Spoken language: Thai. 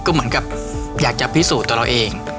ก็เหมือนกับอยากจะพิสูจน์ตัวเราเอง